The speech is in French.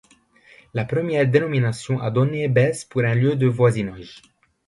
La première dénomination a donné Baisse pour un lieu de voisinage.